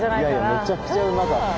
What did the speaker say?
いやめちゃくちゃうまかった。